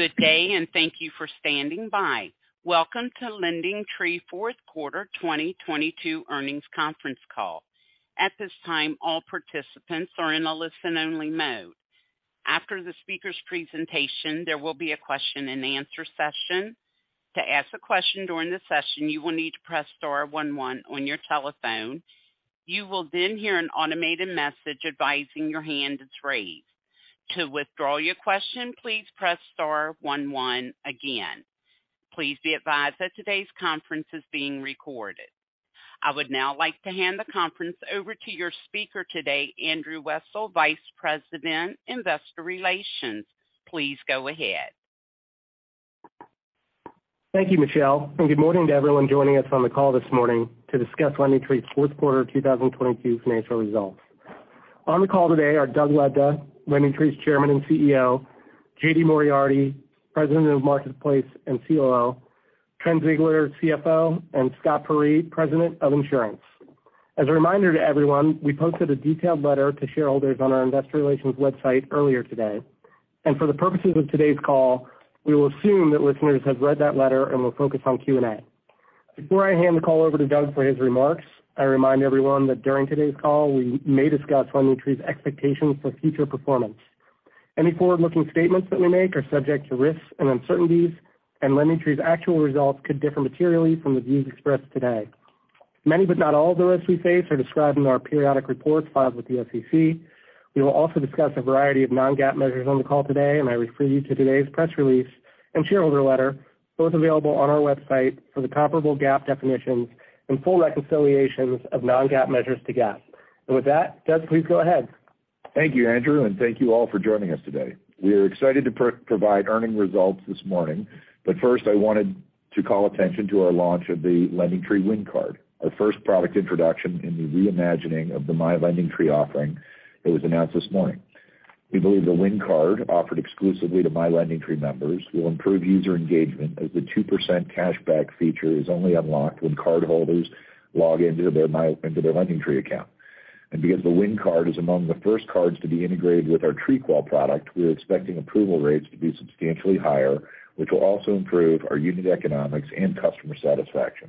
Good day, and thank you for standing by. Welcome to LendingTree fourth 1/4 2022 earnings conference call. At this time, all participants are in a Listen-Only mode. After the speaker's presentation, there will be a Question-And-Answer session. To ask a question during the session, you will need to press star 11 on your telephone. You will then hear an automated message advising your hand is raised. To withdraw your question, please press star 11 again. Please be advised that today's conference is being recorded. I would now like to hand the conference over to your speaker today, Andrew Wessel, Vice President, Investor Relations. Please go ahead. Thank you, Michelle, and good morning to everyone joining us on the call this morning to discuss LendingTree's fourth 1/4 2022 financial results. On the call today are Doug Lebda, LendingTree's Chairman and CEO; J.D. Moriarty, President of Marketplace and COO; Trent Ziegler, CFO; and Scott Peyree, President of Insurance. As a reminder to everyone, we posted a detailed letter to shareholders on our investor relations website earlier today. For the purposes of today's call, we will assume that listeners have read that letter and will focus on Q&A. Before I hand the call over to Doug for his remarks, I remind everyone that during today's call, we may discuss LendingTree's expectations for future performance. Any forward-looking statements that we make are subject to risks and uncertainties, and LendingTree's actual results could differ materially from the views expressed today. Many, but not all, of the risks we face are described in our periodic reports filed with the SEC. We will also discuss a variety of Non-GAAP measures on the call today, and I refer you to today's press release and shareholder letter, both available on our website for the comparable GAAP definitions and full reconciliations of Non-GAAP measures to GAAP. With that, Doug, please go ahead. Thank you, Andrew, thank you all for joining us today. We are excited to provide earnings results this morning. First, I wanted to call attention to our launch of the LendingTree Win Card, our first product introduction in the reimagining of the My LendingTree offering that was announced this morning. We believe the Win Card offered exclusively to My LendingTree members will improve user engagement as the 2% cashback feature is only unlocked when cardholders log into their LendingTree account. Because the Win Card is among the first cards to be integrated with our TreeQual product, we're expecting approval rates to be substantially higher, which will also improve our unit economics and customer satisfaction.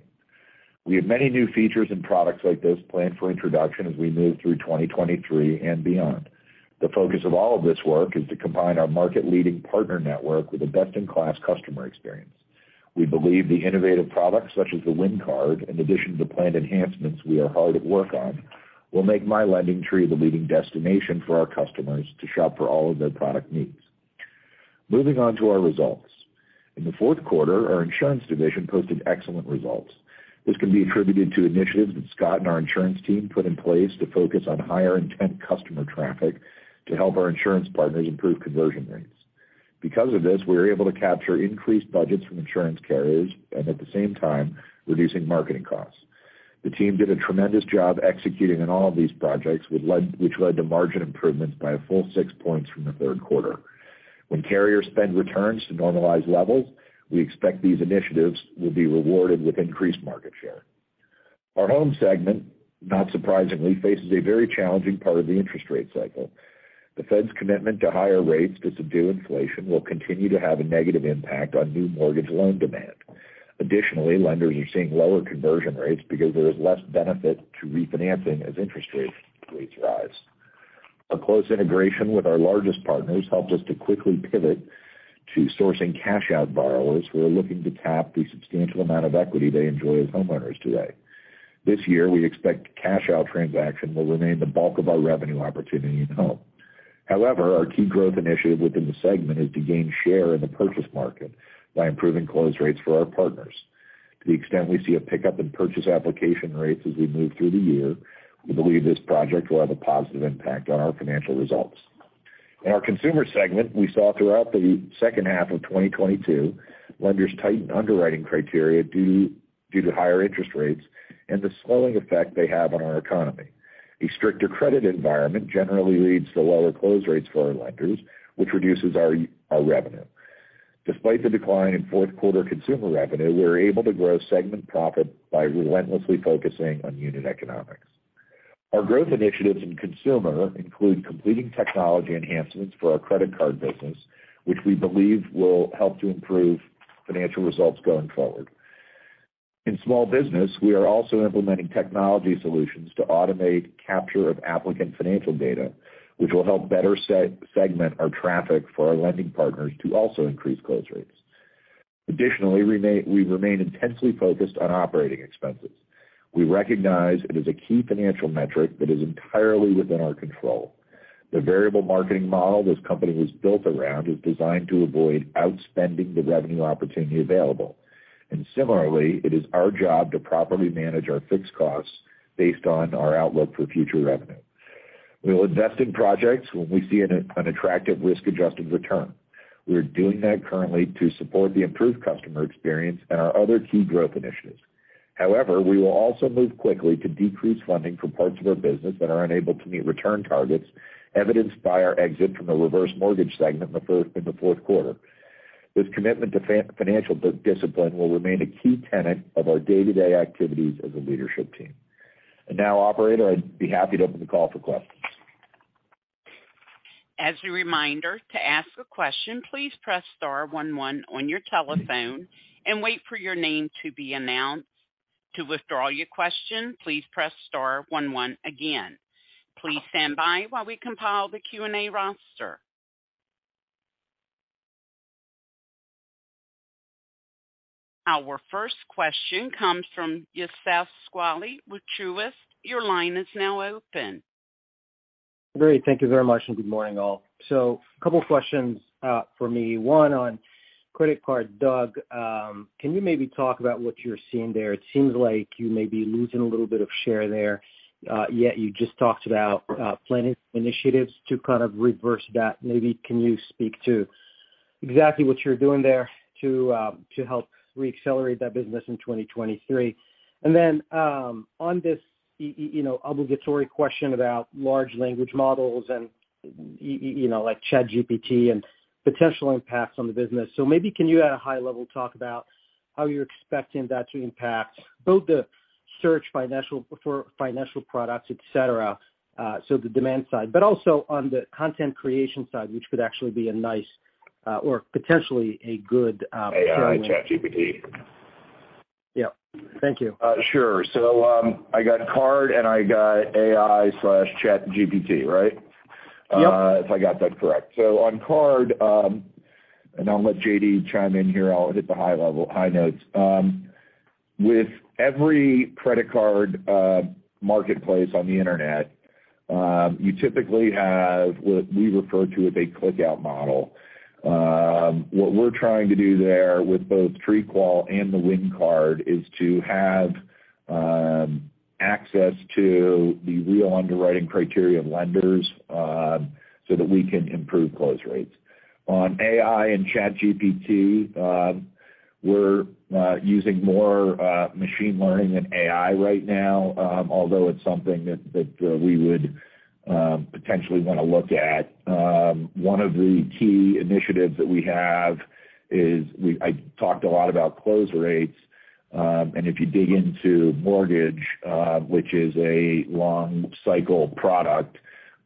We have many new features and products like this planned for introduction as we move through 2023 and beyond. The focus of all of this work is to combine our Market-Leading partner network with a best-in-class customer experience. We believe the innovative products such as the Win Card, in addition to the planned enhancements we are hard at work on, will make My LendingTree the leading destination for our customers to shop for all of their product needs. Moving on to our results. In the fourth 1/4, our insurance division posted excellent results. This can be attributed to initiatives that Scott and our insurance team put in place to focus on higher intent customer traffic to help our insurance partners improve conversion rates. Because of this, we were able to capture increased budgets from insurance carriers and at the same time, reducing marketing costs. The team did a tremendous job executing on all of these projects, which led to margin improvements by a full 6 points from the 1/3 1/4. When carrier spend returns to normalized levels, we expect these initiatives will be rewarded with increased market share. Our home segment, not surprisingly, faces a very challenging part of the interest rate cycle. The Fed's commitment to higher rates to subdue inflation will continue to have a negative impact on new mortgage loan demand. Additionally, lenders are seeing lower conversion rates because there is less benefit to refinancing as interest rates rise. A close integration with our largest partners helps us to quickly pivot to sourcing cash out borrowers who are looking to tap the substantial amount of equity they enjoy as homeowners today. This year, we expect cash out transaction will remain the bulk of our revenue opportunity in home. Our key growth initiative within the segment is to gain share in the purchase market by improving close rates for our partners. To the extent we see a pickup in purchase application rates as we move through the year, we believe this project will have a positive impact on our financial results. In our consumer segment, we saw throughout the second 1/2 of 2022, lenders tighten underwriting criteria due to higher interest rates and the slowing effect they have on our economy. A stricter credit environment generally leads to lower close rates for our lenders, which reduces our revenue. Despite the decline in fourth 1/4 consumer revenue, we were able to grow segment profit by relentlessly focusing on unit economics. Our growth initiatives in consumer include completing technology enhancements for our credit card business, which we believe will help to improve financial results going forward. In small business, we are also implementing technology solutions to automate capture of applicant financial data, which will help better segment our traffic for our lending partners to also increase close rates. Additionally, we remain intensely focused on operating expenses. We recognize it is a key financial metric that is entirely within our control. The variable marketing model this company was built around is designed to avoid outspending the revenue opportunity available. Similarly, it is our job to properly manage our fixed costs based on our outlook for future revenue. We will invest in projects when we see an attractive Risk-Adjusted return. We are doing that currently to support the improved customer experience and our other key growth initiatives. However, we will also move quickly to decrease funding for parts of our business that are unable to meet return targets, evidenced by our exit from the reverse mortgage segment in the fourth 1/4. This commitment to financial discipline will remain a key tenet of our day-to-day activities as a leadership team. Now, operator, I'd be happy to open the call for questions. As a reminder, to ask a question, please press star one one on your telephone and wait for your name to be announced. To withdraw your question, please press star one one again. Please stand by while we compile the Q&A roster. Our first question comes from Youssef Squali with Truist. Your line is now open. Great. Thank you very much, and good morning, all. A couple questions for me. One on credit card. Doug, can you maybe talk about what you're seeing there? It seems like you may be losing a little bit of share there, yet you just talked about planning initiatives to kind of reverse that. Maybe can you speak to exactly what you're doing there to help reaccelerate that business in 2023? On this you know, obligatory question about large language models and you know, like ChatGPT and potential impacts on the business. Maybe can you at a high level talk about how you're expecting that to impact both the search for financial products, et cetera, so the demand side, but also on the content creation side, which could actually be a nice, or potentially a good. AI, ChatGPT. Yeah. Thank you. Sure. I got card, I got AI/ChatGPT, right? Yep. If I got that correct. On card, and I'll let J.D. chime in here. I'll hit the high level, high notes. With every credit card marketplace on the internet, you typically have what we refer to as a Click-Out model. What we're trying to do there with both TreeQual and the Win Card is to have access to the real underwriting criteria of lenders, so that we can improve close rates. On AI and ChatGPT, we're using more machine learning than AI right now, although it's something that we would potentially want to look at. One of the key initiatives that we have is I talked a lot about close rates. If you dig into mortgage, which is a long cycle product,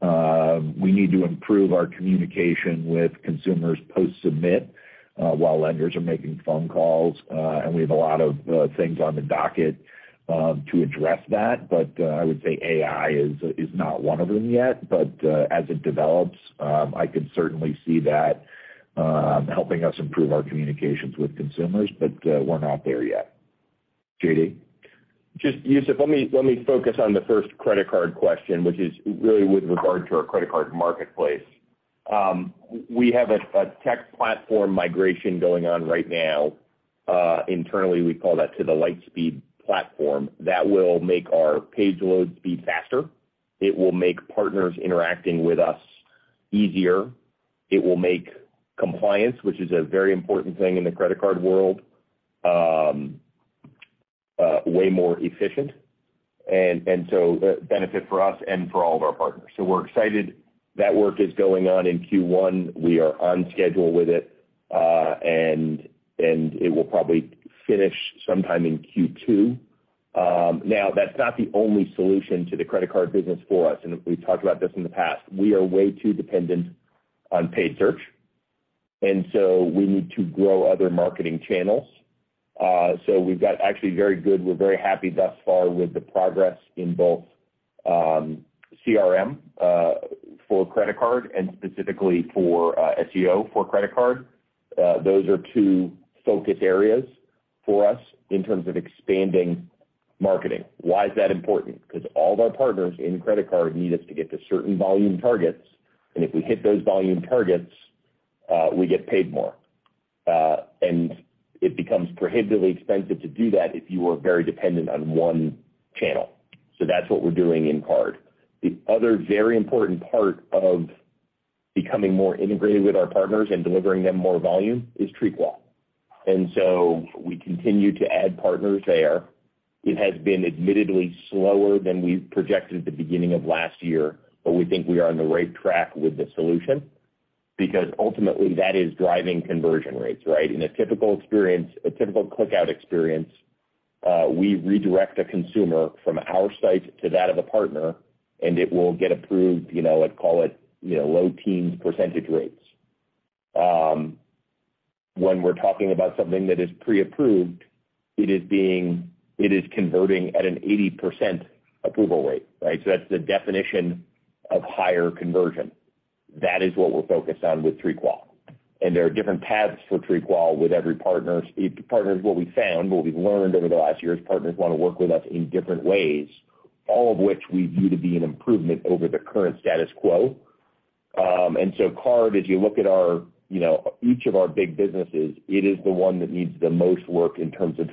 we need to improve our communication with consumers Post-Submit while lenders are making phone calls. We have a lot of things on the docket to address that. I would say AI is not one of them yet. As it develops, I can certainly see that helping us improve our communications with consumers. We're not there yet. J.D.? Just Youssef, let me focus on the first credit card question, which is really with regard to our credit card marketplace. We have a tech platform migration going on right now. Internally, we call that to the Lightspeed platform. That will make our page load speed faster. It will make partners interacting with us easier. It will make compliance, which is a very important thing in the credit card world, way more efficient. A benefit for us and for all of our partners. We're excited that work is going on in Q1. We are on schedule with it, and it will probably finish sometime in Q2. That's not the only solution to the credit card business for us, and we've talked about this in the past. We are way too dependent on paid search. We need to grow other marketing channels. We're very happy thus far with the progress in both CRM for credit card and specifically for SEO for credit card. Those are 2 focus areas for us in terms of expanding marketing. Why is that important? 'Cause all of our partners in credit card need us to get to certain volume targets, and if we hit those volume targets, we get paid more. It becomes prohibitively expensive to do that if you are very dependent on one channel. That's what we're doing in card. The other very important part of becoming more integrated with our partners and delivering them more volume is TreeQual. We continue to add partners there. It has been admittedly slower than we projected at the beginning of last year. We think we are on the right track with the solution because ultimately that is driving conversion rates, right? In a typical experience, a typical Click-Out experience, we redirect a consumer from our site to that of a partner, and it will get approved, you know, I'd call it, you know, low teens % rates. When we're talking about something that is preapproved, it is converting at an 80% approval rate, right? That's the definition of higher conversion. That is what we're focused on with TreeQual. There are different paths for TreeQual with every partners. Partners, what we found, what we've learned over the last year is partners want to work with us in different ways, all of which we view to be an improvement over the current status quo. Card, as you look at our, you know, each of our big businesses, it is the one that needs the most work in terms of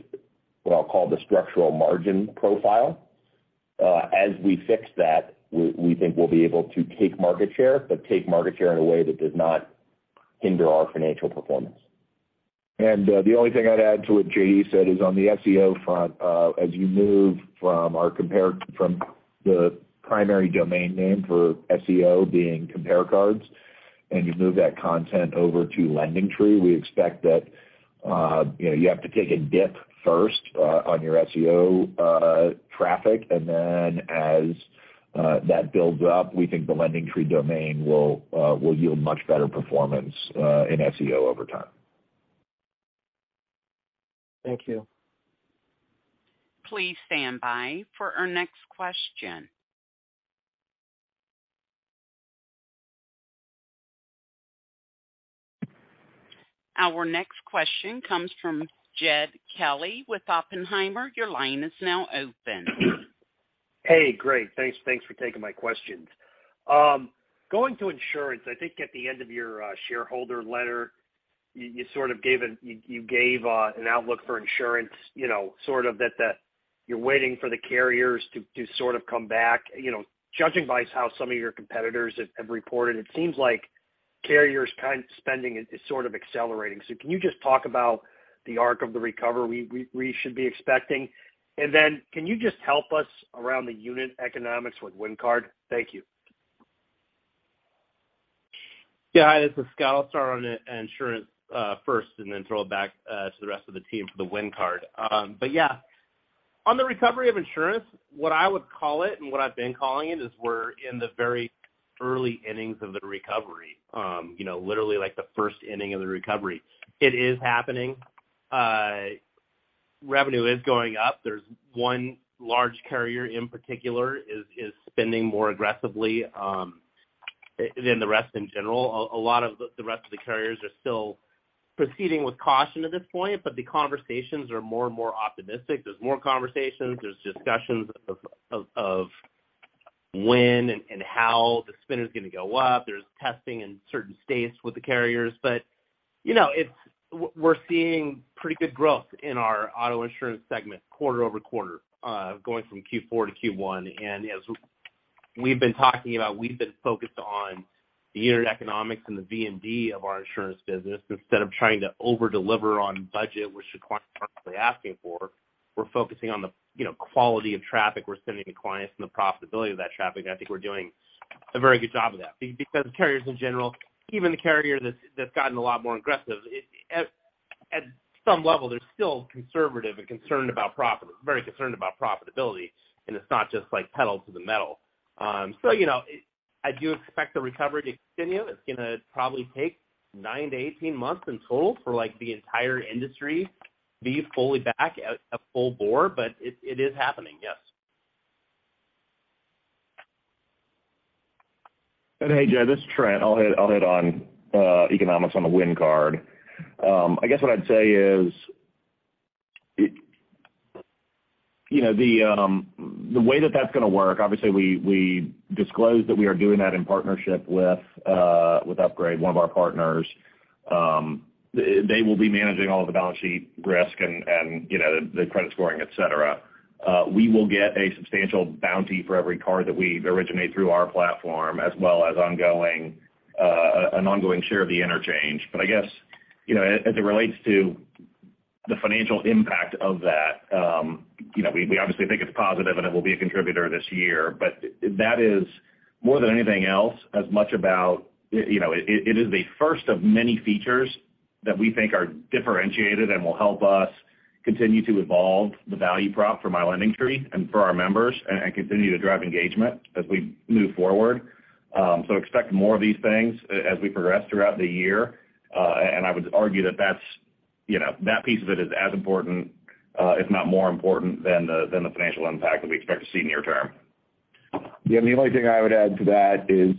what I'll call the structural margin profile. As we fix that, we think we'll be able to take market share, but take market share in a way that does not hinder our financial performance. The only thing I'd add to what J.D. said is on the SEO front, as you move from our from the primary domain name for SEO being CompareCards. You move that content over to LendingTree, we expect that, you know, you have to take a dip first, on your SEO, traffic. As that builds up, we think the LendingTree domain will yield much better performance, in SEO over time. Thank you. Please stand by for our next question. Our next question comes from Jed Kelly with Oppenheimer. Your line is now open. Hey, great. Thanks for taking my questions. Going to insurance, I think at the end of your shareholder letter, you sort of gave an outlook for insurance, you know, sort of that you're waiting for the carriers to sort of come back. You know, judging by how some of your competitors have reported, it seems like carriers' spending is sort of accelerating. Can you just talk about the arc of the recovery we should be expecting? Can you just help us around the unit economics with Win Card? Thank you. Hi, this is Scott. I'll start on insurance first and then throw it back to the rest of the team for the Win Card. On the recovery of insurance, what I would call it, and what I've been calling it, is we're in the very early innings of the recovery, you know, literally like the first inning of the recovery. It is happening. Revenue is going up. There's one large carrier in particular is spending more aggressively than the rest in general. A lot of the rest of the carriers are still proceeding with caution at this point, the conversations are more and more optimistic. There's more conversations. There's discussions of when and how the spend is gonna go up. There's testing in certain states with the carriers. You know, it's -- we're seeing pretty good growth in our auto insurance segment 1/4-over-1/4, going from Q4 to Q1. As we've been talking about, we've been focused on the unit economics and the VMD of our insurance business instead of trying to over-deliver on budget, which the clients aren't really asking for. We're focusing on the, you know, quality of traffic we're sending to clients and the profitability of that traffic. I think we're doing a very good job of that. Because carriers in general, even the carrier that's gotten a lot more aggressive, at some level, they're still conservative and very concerned about profitability, and it's not just like pedal to the metal. You know, I do expect the recovery to continue. It's gonna probably take 9-18 months in total for, like, the entire industry to be fully back at full bore, but it is happening, yes. Hey, Jed, this is Trent. I'll hit on economics on the Win Card. I guess what I'd say is, you know, the way that that's gonna work, obviously, we disclosed that we are doing that in partnership with Upgrade, one of our partners. They will be managing all of the balance sheet risk and, you know, the credit scoring, et cetera. We will get a substantial bounty for every card that we originate through our platform, as well as an ongoing share of the interchange. I guess, you know, as it relates to the financial impact of that, you know, we obviously think it's positive and it will be a contributor this year. That is more than anything else, as much about, you know, it is the first of many features that we think are differentiated and will help us continue to evolve the value prop for My LendingTree and for our members and continue to drive engagement as we move forward. Expect more of these things as we progress throughout the year. I would argue that that's, you know, that piece of it is as important, if not more important than the financial impact that we expect to see near term. The only thing I would add to that is,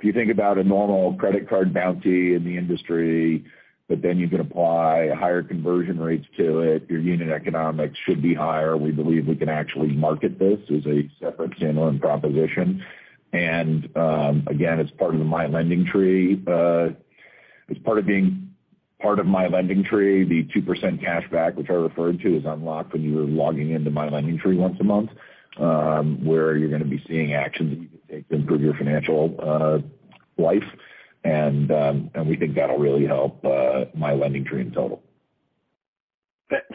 if you think about a normal credit card bounty in the industry, but then you can apply higher conversion rates to it, your unit economics should be higher. We believe we can actually market this as a separate stand-alone proposition. Again, as part of the My LendingTree, as part of being part of My LendingTree, the 2% cashback, which I referred to, is unlocked when you are logging into My LendingTree once a month, where you're going to be seeing actions that you can take to improve your financial life. We think that will really help My LendingTree in total.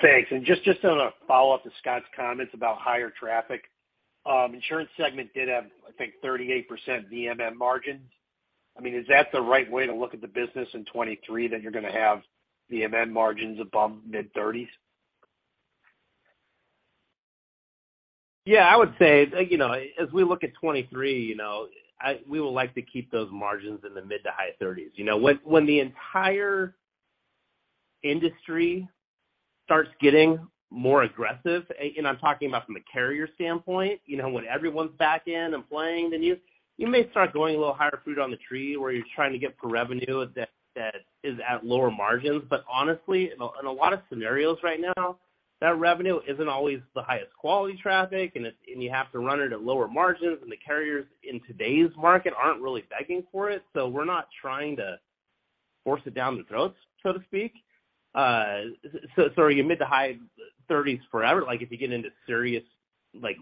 Thanks. Just on a follow-up to Scott's comments about higher traffic, insurance segment did have, I think, 38% VMM margins. I mean, is that the right way to look at the business in 2023, that you're gonna have VMM margins above mid-30s? Yeah, I would say, you know, as we look at 2023, you know, we would like to keep those margins in the mid to high 30s. When, when the entire industry starts getting more aggressive, and I'm talking about from a carrier standpoint, you know, when everyone's back in and playing, then you may start going a little higher fruit on the tree where you're trying to get per revenue that is at lower margins. Honestly, in a, in a lot of scenarios right now, that revenue isn't always the highest quality traffic, and it's and you have to run it at lower margins, and the carriers in today's market aren't really begging for it. We're not trying to force it down the throats, so to speak. Mid to high 30s forever. Like, if you get into serious, like,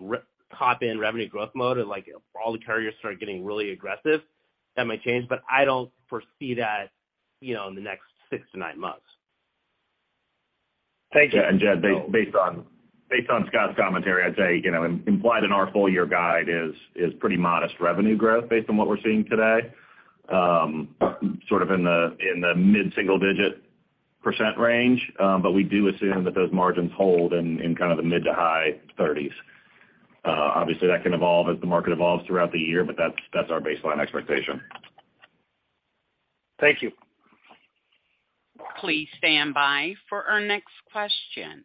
Top-End revenue growth mode and, like, all the carriers start getting really aggressive, that might change. I don't foresee that, you know, in the next six to nine months. Thanks, Jed. Jed, based on Scott's commentary, I'd say, you know, implied in our full year guide is pretty modest revenue growth based on what we're seeing today, sort of in the mid-single-digit % range. We do assume that those margins hold in kind of the mid- to high-30s %. Obviously, that can evolve as the market evolves throughout the year, but that's our baseline expectation. Thank you. Please stand by for our next question.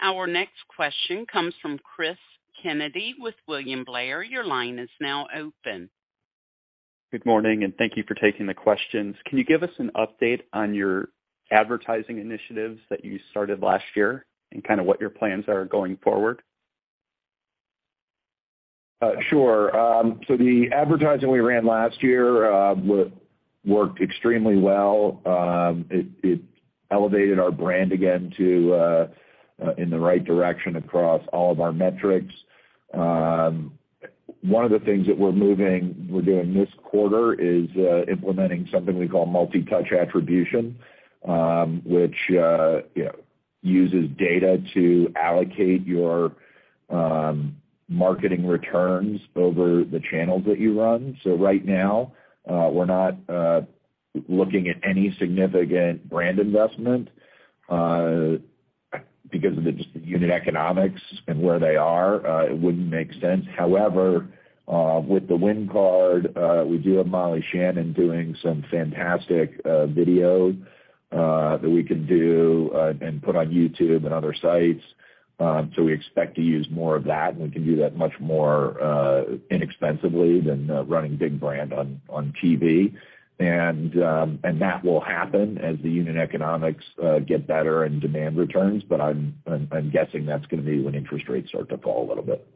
Our next question comes from Christopher Kennedy with William Blair. Your line is now open. Good morning. Thank you for taking the questions. Can you give us an update on your advertising initiatives that you started last year and kind of what your plans are going forward? Sure. The advertising we ran last year worked extremely well. It elevated our brand again to in the right direction across all of our metrics. One of the things that we're doing this 1/4 is implementing something we call Multi-Touch attribution, which, you know, uses data to allocate your marketing returns over the channels that you run. Right now, we're not looking at any significant brand investment because of the just unit economics and where they are, it wouldn't make sense. However, with the Win Card, we do have Molly Shannon doing some fantastic video that we can do and put on YouTube and other sites. We expect to use more of that, and we can do that much more, inexpensively than running big brand on TV. That will happen as the unit economics get better and demand returns, but I'm guessing that's gonna be when interest rates start to fall a little bit.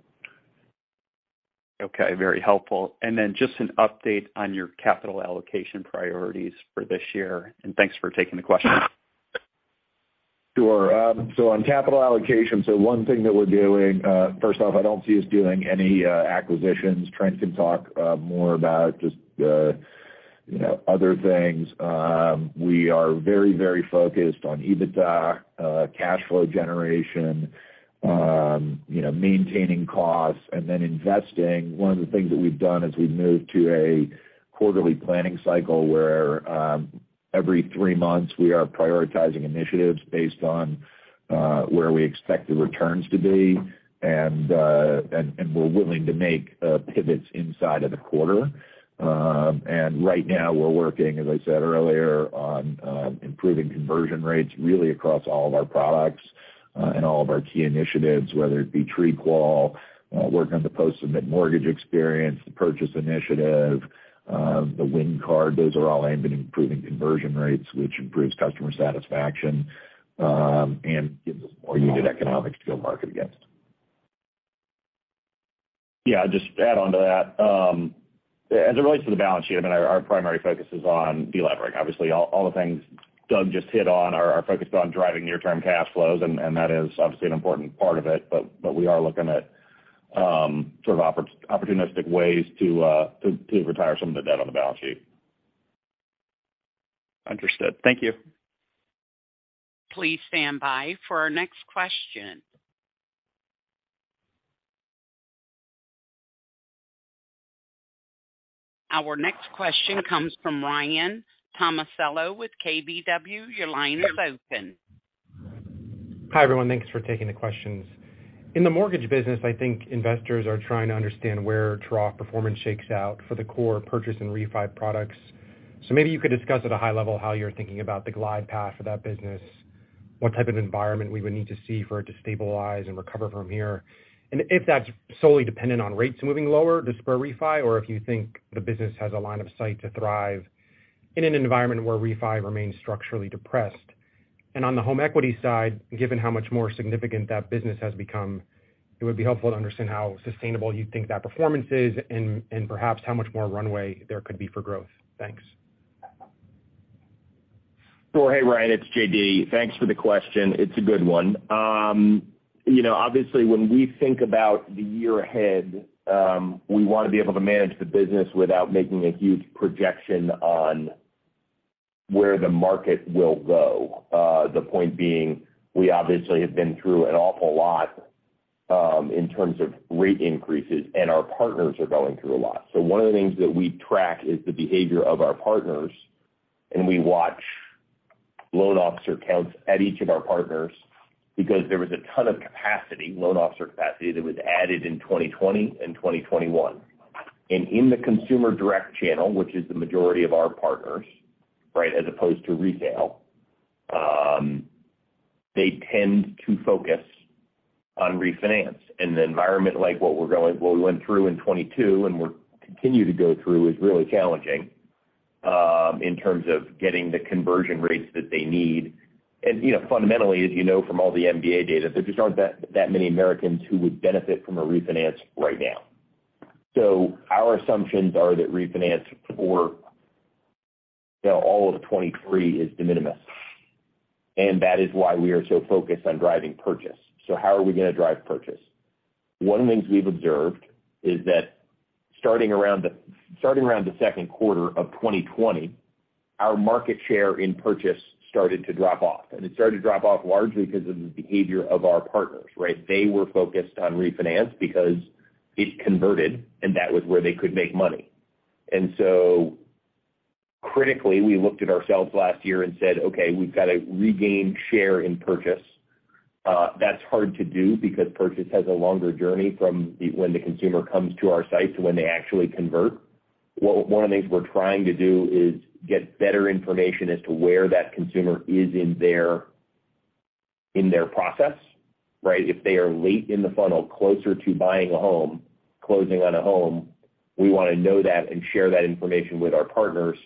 Okay, very helpful. Just an update on your capital allocation priorities for this year. Thanks for taking the question. Sure. On capital allocation, one thing that we're doing, first off, I don't see us doing any acquisitions. Trent can talk more about just, you know, other things. We are very, very focused on EBITDA, cash flow generation, you know, maintaining costs and then investing. One of the things that we've done is we've moved to a quarterly planning cycle where, every 3 months, we are prioritizing initiatives based on where we expect the returns to be, and we're willing to make pivots inside of the 1/4. Right now we're working, as I said earlier, on improving conversion rates really across all of our products, and all of our key initiatives, whether it be TreeQual, working on the post-submit mortgage experience, the purchase initiative, the Win Card. Those are all aimed at improving conversion rates, which improves customer satisfaction, and gives us more unit economics to go market against. Yeah, just to add on to that. As it relates to the balance sheet, I mean, our primary focus is on delevering. Obviously all the things Doug just hit on are focused on driving near-term cash flows, and that is obviously an important part of it. We are looking at sort of opportunistic ways to retire some of the debt on the balance sheet. Understood. Thank you. Please stand by for our next question. Our next question comes from Ryan Tomasello with KBW. Your line is open. Hi, everyone. Thanks for taking the questions. In the mortgage business, I think investors are trying to understand where trough performance shakes out for the core purchase and refi products. Maybe you could discuss at a high level how you're thinking about the glide path for that business, what type of environment we would need to see for it to stabilize and recover from here. If that's solely dependent on rates moving lower to spur refi, or if you think the business has a line of sight to thrive in an environment where refi remains structurally depressed. On the home equity side, given how much more significant that business has become, it would be helpful to understand how sustainable you think that performance is and perhaps how much more runway there could be for growth. Thanks. Well, hey, Ryan, it's J.D. Thanks for the question. It's a good one. You know, obviously, when we think about the year ahead, we wanna be able to manage the business without making a huge projection on where the market will go. The point being, we obviously have been through an awful lot, in terms of rate increases, and our partners are going through a lot. One of the things that we track is the behavior of our partners, and we watch loan officer counts at each of our partners because there was a ton of capacity, loan officer capacity that was added in 2020 and 2021. In the consumer direct channel, which is the majority of our partners, right, as opposed to retail, they tend to focus on refinance. In an environment like what we went through in 2022, we continue to go through is really challenging in terms of getting the conversion rates that they need. You know, fundamentally, as you know from all the MBA data, there just aren't that many Americans who would benefit from a refinance right now. Our assumptions are that refinance for, you know, all of 2023 is de minimis That is why we are so focused on driving purchase. How are we gonna drive purchase? One of the things we've observed is that starting around the second 1/4 of 2020, our market share in purchase started to drop off, and it started to drop off largely because of the behavior of our partners, right? They were focused on refinance because it converted, and that was where they could make money. Critically, we looked at ourselves last year and said, "Okay, we've got to regain share in purchase." That's hard to do because purchase has a longer journey when the consumer comes to our site to when they actually convert. One of the things we're trying to do is get better information as to where that consumer is in their process, right? If they are late in the funnel, closer to buying a home, closing on a home, we wanna know that and share that information with our partners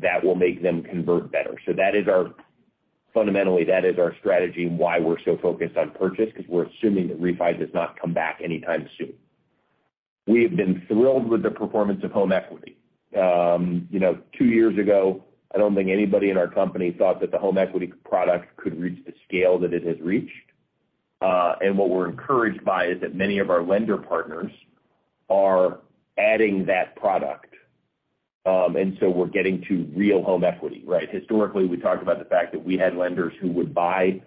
that will make them convert better. fundamentally, that is our strategy and why we're so focused on purchase, because we're assuming that refi does not come back anytime soon. We have been thrilled with the performance of home equity. You know, 2 years ago, I don't think anybody in our company thought that the home equity product could reach the scale that it has reached. What we're encouraged by is that many of our lender partners are adding that product. We're getting to real home equity, right? Historically, we talked about the fact that we had lenders who would buy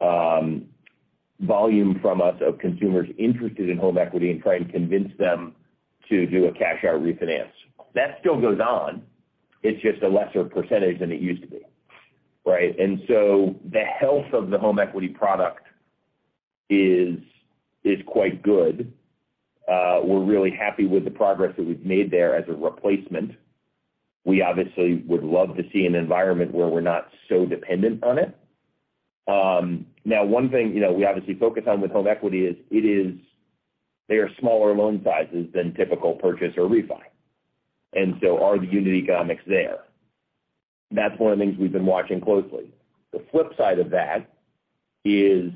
volume from us of consumers interested in home equity and try and convince them to do a cash out refinance. That still goes on. It's just a lesser percentage than it used to be, right? The health of the home equity product is quite good. We're really happy with the progress that we've made there as a replacement. We obviously would love to see an environment where we're not so dependent on it. Now one thing, you know, we obviously focus on with home equity is they are smaller loan sizes than typical purchase or refi. Are the unit economics there? That's one of the things we've been watching closely. The flip side of that is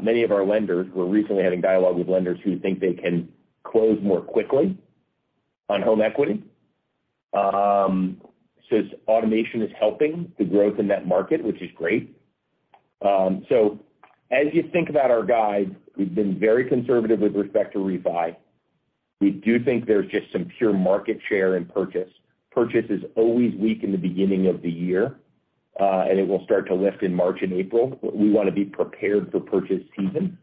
many of our lenders, we're recently having dialogue with lenders who think they can close more quickly on home equity. Automation is helping the growth in that market, which is great. As you think about our guide, we've been very conservative with respect to refi. We do think there's just some pure market share in purchase. Purchase is always weak in the beginning of the year, and it will start to lift in March and April. We want to be prepared for purchase season.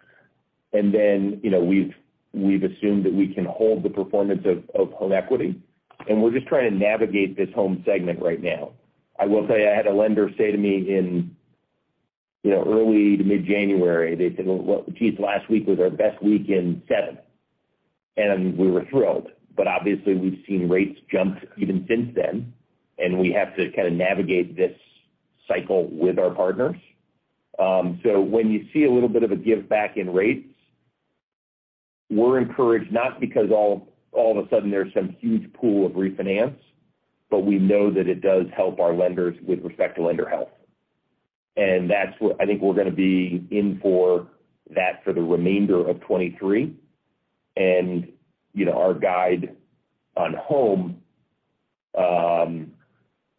You know, we've assumed that we can hold the performance of home equity, and we're just trying to navigate this home segment right now. I will say I had a lender say to me in, you know, early to mid-January, they said, "Well, geez, last week was our best week in 7." We were thrilled. Obviously, we've seen rates jump even since then, and we have to kind of navigate this cycle with our partners. When you see a little bit of a give back in rates, we're encouraged, not because all of a sudden there's some huge pool of refinance, but we know that it does help our lenders with respect to lender health. That's what I think we're gonna be in for that for the remainder of 2023. You know, our guide on home,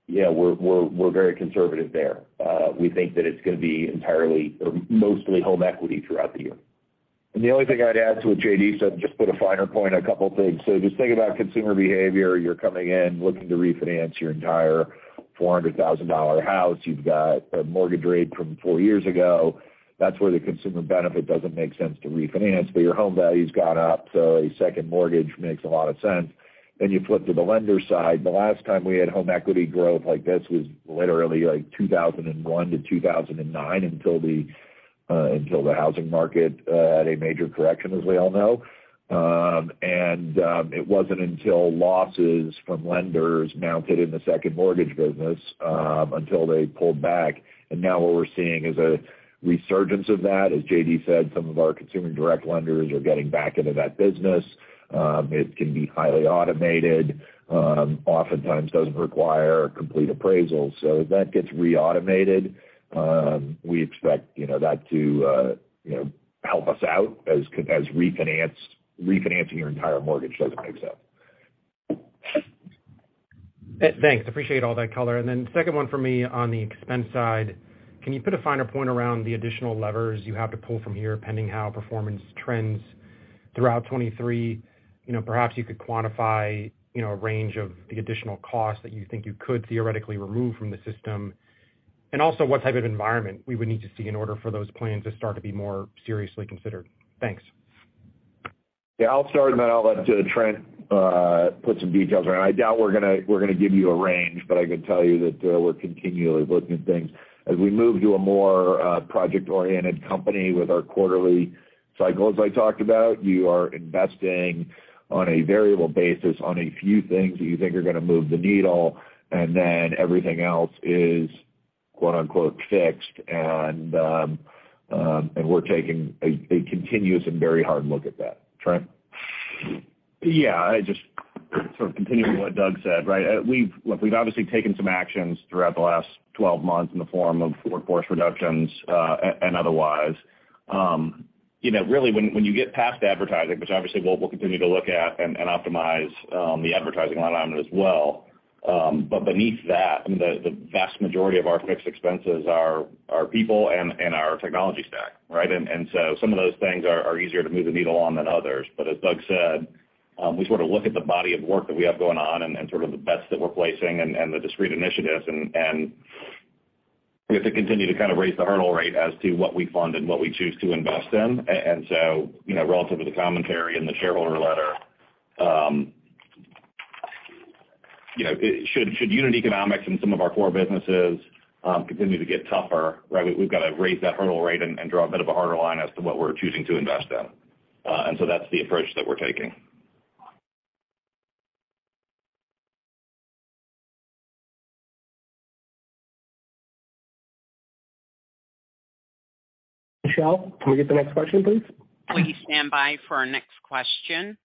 yeah, we're very conservative there. We think that it's gonna be entirely or mostly home equity throughout the year. The only thing I'd add to what J.D. said, just put a finer point on a couple things. Just think about consumer behavior. You're coming in looking to refinance your entire $400,000 house. You've got a mortgage rate from four years ago. That's where the consumer benefit doesn't make sense to refinance. Your home value's gone up, so a second mortgage makes a lot of sense. You flip to the lender side. The last time we had home equity growth like this was literally like 2001 to 2009 until the housing market had a major correction, as we all know. And it wasn't until losses from lenders mounted in the second mortgage business until they pulled back. Now what we're seeing is a resurgence of that. As J.D. said, some of our consumer direct lenders are getting back into that business. It can be highly automated, oftentimes doesn't require complete appraisals. As that gets re-automated, we expect, you know, that to, you know, help us out as refinancing your entire mortgage doesn't make sense. Thanks. Appreciate all that color. Second one for me on the expense side. Can you put a finer point around the additional levers you have to pull from here, pending how performance trends throughout 2023? You know, perhaps you could quantify, you know, a range of the additional costs that you think you could theoretically remove from the system. What type of environment we would need to see in order for those plans to start to be more seriously considered. Thanks. Yeah, I'll start, then I'll let Trent put some details around. I doubt we're gonna give you a range, but I can tell you that we're continually looking at things. As we move to a more project-oriented company with our quarterly cycle, as I talked about, you are investing on a variable basis on a few things that you think are gonna move the needle, and then everything else is quote, unquote, "fixed." We're taking a continuous and very hard look at that. Trent? Yeah. I just sort of continuing what Doug said, right? We've obviously taken some actions throughout the last 12 months in the form of workforce reductions, and otherwise. You know, really when you get past advertising, which obviously we'll continue to look at and optimize, the advertising alignment as well. Beneath that, I mean, the vast majority of our fixed expenses are people and our technology stack, right? Some of those things are easier to move the needle on than others. As Doug said, we sort of look at the body of work that we have going on and then sort of the bets that we're placing and the discrete initiatives and we have to continue to kind of raise the hurdle rate as to what we fund and what we choose to invest in. You know, relative to the commentary in the shareholder letter, you know, should unit economics in some of our core businesses continue to get tougher, right? We've got to raise that hurdle rate and draw a bit of a harder line as to what we're choosing to invest in. That's the approach that we're taking. Michelle, can we get the next question, please? Please stand by for our next question.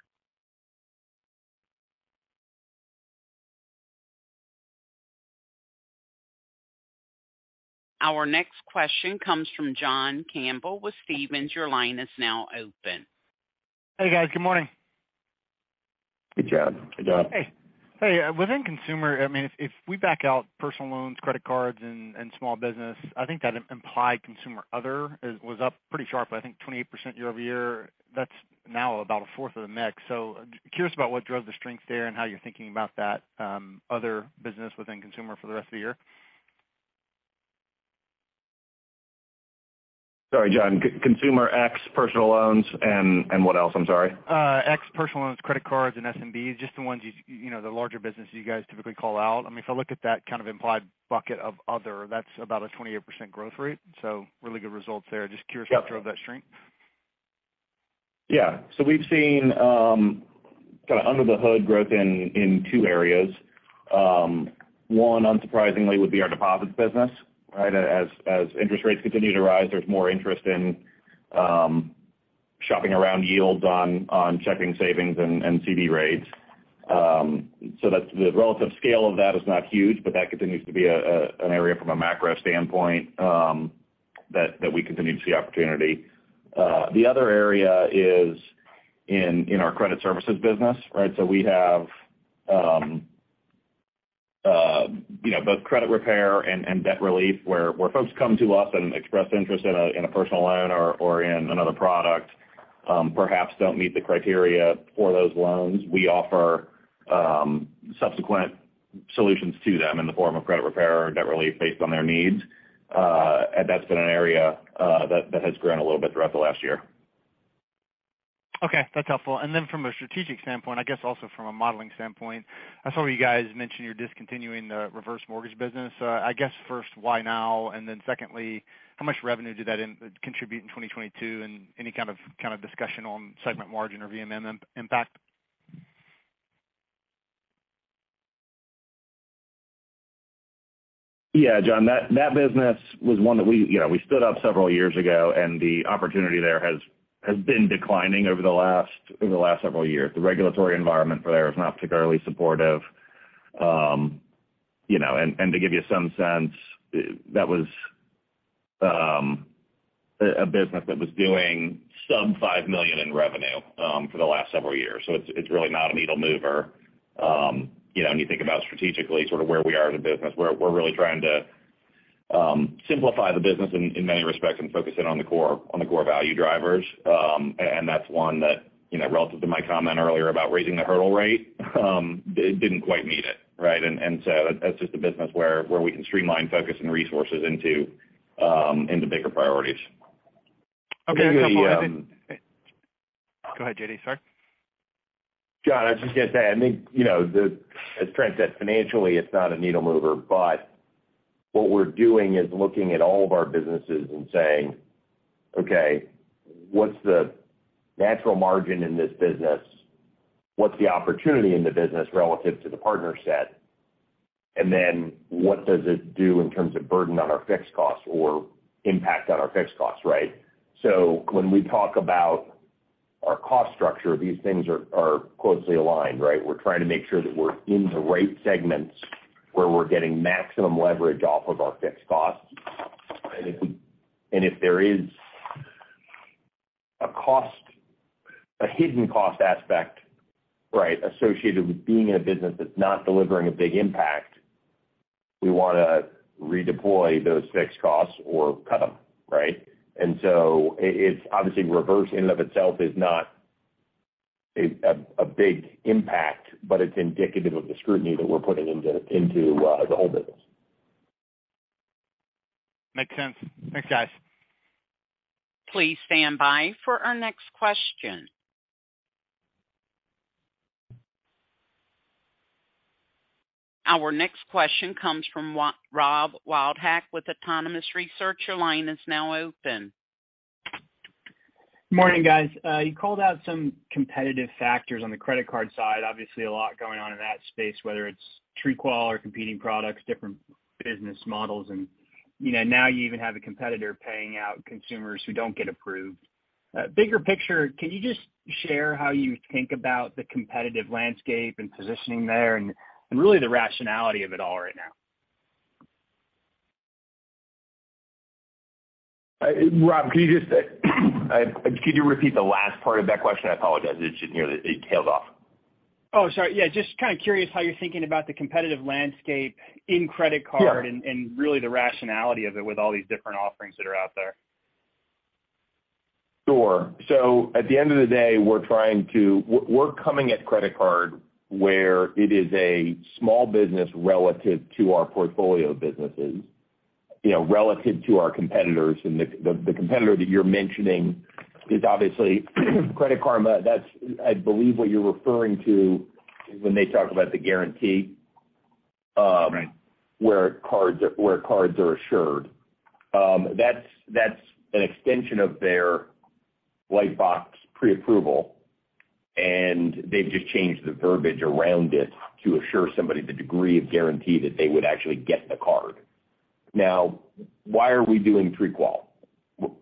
Our next question comes from John Campbell with Stephens. Your line is now open. Hey, guys. Good morning. Hey, John. Hey, John. Hey. Hey, within consumer, I mean, if we back out personal loans, credit cards and small business, I think that implied consumer other was up pretty sharply, I think 28% year-over-year. That's now about a fourth of the mix. Curious about what drove the strength there and how you're thinking about that other business within consumer for the rest of the year. Sorry, John. Consumer ex personal loans and what else? I'm sorry. Ex personal loans, credit cards, and SMB, just the ones you know, the larger businesses you guys typically call out. I mean, if I look at that kind of implied bucket of other, that's about a 28% growth rate. Really good results there. Just curious. Yeah. what drove that strength. Yeah. We've seen kind of under the hood growth in 2 areas. One unsurprisingly would be our deposits business, right? As interest rates continue to rise, there's more interest in shopping around yields on checking savings and CD rates. That's the relative scale of that is not huge, but that continues to be an area from a macro standpoint that we continue to see opportunity. The other area is in our credit services business, right? We have, you know, both credit repair and debt relief where folks come to us and express interest in a personal loan or in another product, perhaps don't meet the criteria for those loans. We offer subsequent solutions to them in the form of credit repair or debt relief based on their needs. That's been an area that has grown a little bit throughout the last year. Okay, that's helpful. From a strategic standpoint, I guess also from a modeling standpoint, I saw you guys mention you're discontinuing the reverse mortgage business. I guess first, why now? Secondly, how much revenue did that contribute in 2022 and any kind of discussion on segment margin or VMM impact? Yeah, John. That business was one that we, you know, stood up several years ago, and the opportunity there has been declining over the last several years. The regulatory environment for there is not particularly supportive. You know, and to give you some sense, that was a business that was doing sub $5 million in revenue for the last several years. It's really not a needle mover. You know, when you think about strategically sort of where we are as a business, we're really trying to simplify the business in many respects and focus in on the core value drivers. And that's one that, you know, relative to my comment earlier about raising the hurdle rate, it didn't quite meet it, right? That's just a business where we can streamline focus and resources into bigger priorities. Okay. Maybe- That's all for me. Go ahead, J.D. Sorry. John, I was just going to say, I think, you know, as Trent said, financially, it's not a needle mover, but what we're doing is looking at all of our businesses and saying, "Okay, what's the natural margin in this business? What's the opportunity in the business relative to the partner set? And then what does it do in terms of burden on our fixed costs or impact on our fixed costs, right?" When we talk about our cost structure, these things are closely aligned, right? We're trying to make sure that we're in the right segments where we're getting maximum leverage off of our fixed costs. If there is a cost, a hidden cost aspect, right, associated with being in a business that's not delivering a big impact, we wanna redeploy those fixed costs or cut them, right? it's obviously reverse in and of itself is not a big impact, but it's indicative of the scrutiny that we're putting into the whole business. Makes sense. Thanks, guys. Please stand by for our next question. Our next question comes from Robert Wildhack with Autonomous Research. Your line is now open. Morning, guys. You called out some competitive factors on the credit card side. Obviously a lot going on in that space, whether it's TreeQual or competing products, different business models. You know, now you even have a competitor paying out consumers who don't get approved. Bigger picture, can you just share how you think about the competitive landscape and positioning there and really the rationality of it all right now? Robert, can you just, could you repeat the last part of that question? I apologize. It tailed off. Oh, sorry. Yeah, just kinda curious how you're thinking about the competitive landscape in credit card... Yeah. really the rationality of it with all these different offerings that are out there. Sure. At the end of the day, We're coming at credit card where it is a small business relative to our portfolio of businesses, you know, relative to our competitors. The competitor that you're mentioning is obviously Credit Karma. That's, I believe what you're referring to when they talk about the guarantee... Right where cards are assured. That's an extension of their Lightbox pre-approval, and they've just changed the verbiage around it to assure somebody the degree of guarantee that they would actually get the card. Why are we doing Prequal?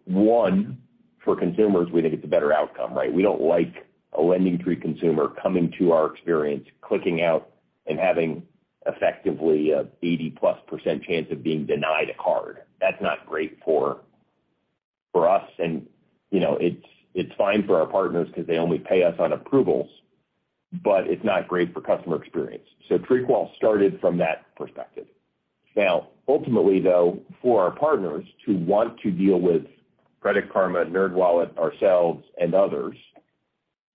One, for consumers, we think it's a better outcome, right? We don't like a LendingTree consumer coming to our experience, clicking out and having effectively a 80%+ chance of being denied a card. That's not great for us and, you know, it's fine for our partners 'cause they only pay us on approvals, but it's not great for customer experience. Prequal started from that perspective. Ultimately though, for our partners to want to deal with Credit Karma, NerdWallet, ourselves and others,